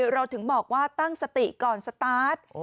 เราถึงบอกว่าตั้งสติก่อนสตาร์ท